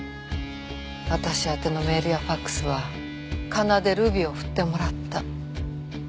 私宛てのメールやファクスは仮名でルビを振ってもらった。